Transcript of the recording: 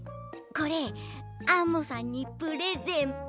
これアンモさんにプレゼント。